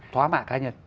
thóa mạng cá nhân